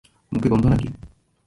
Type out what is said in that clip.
মুখে গন্ধ নাকি?